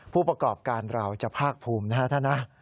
ผู้ประกอบการเราจะภาคภูมินะฮะท่านนะ